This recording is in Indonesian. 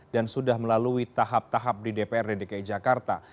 dan sudah melalui tahap tahap di dprd dki jakarta